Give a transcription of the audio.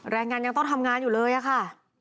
แรงงานยังต้องทำงานอยู่เลยอะค่ะ